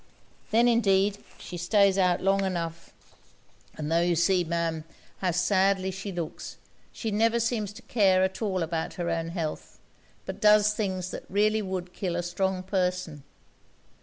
Then, indeed, she stays out long enough; and tho' you see, Ma'am, how sadly she looks, she never seems to care at all about her own health, but does things that really would kill a strong person.'